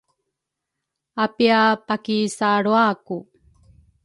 apiapakisaalraku